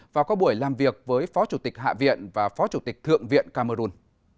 và có buổi làm việc với phó chủ tịch hạ viện và phó chủ tịch thượng viện camerun